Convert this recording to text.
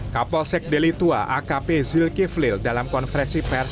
kapolsek delitua akp zilkiflil dalam konferensi